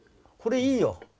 これいいよ。